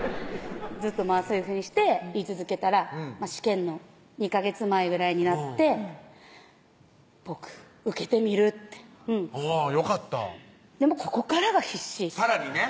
ずっとそういうふうにして言い続けたら試験の２ヵ月前ぐらいになって「僕受けてみる」ってあぁよかったでもここからが必死さらにね